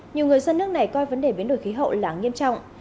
nhiều người dân nước này coi vấn đề biến đổi khí hậu là nghiêm trọng